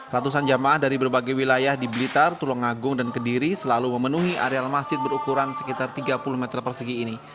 ratusan jamaah dari berbagai wilayah di blitar tulungagung dan kediri selalu memenuhi areal masjid berukuran sekitar tiga puluh meter persegi ini